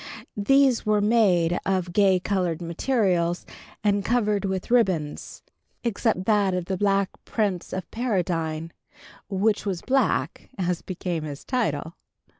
These were made of gay colored materials, and covered with ribbons, except that of the "Black Prince of Paradine," which was black, as became his title.